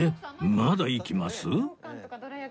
まだいきます？